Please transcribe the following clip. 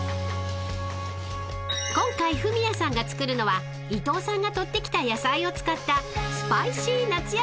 ［今回フミヤさんが作るのは伊藤さんが採ってきた野菜を使った］